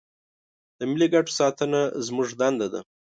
د ملي ګټو ساتنه زموږ دنده ده.